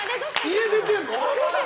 家出てるの？